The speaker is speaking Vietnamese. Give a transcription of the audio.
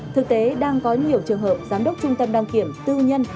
thực tế đang có nhiều trường hợp giám đốc trung tâm đăng kiểm tư nhân